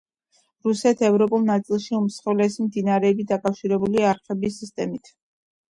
რუსეთის ევროპულ ნაწილში უმსხვილესი მდინარეები დაკავშირებულია არხების სისტემით.